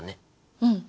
うん。